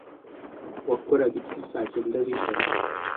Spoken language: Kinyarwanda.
Wakoraga iki saa cyenda z'ijoro?